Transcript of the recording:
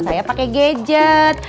saya pake gadget